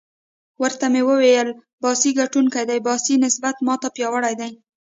ورته ومې ویل: باسي ګټونکی دی، باسي نسبت ما ته پیاوړی دی.